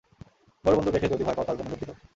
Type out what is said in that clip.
বড় বন্দুক দেখে যদি ভয় পাও তার জন্য দুঃখিত।